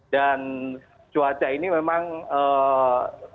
dan cuaca ini memang tidak